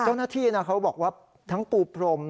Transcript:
เจ้าหน้าที่เขาบอกว่าทั้งปูพรม